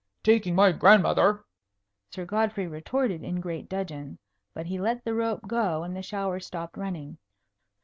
"Taking my grandmother!" Sir Godfrey retorted in great dudgeon. But he let the rope go, and the shower stopped running.